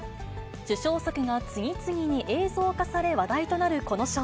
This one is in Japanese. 受賞作が次々に映像化され、話題となるこの賞。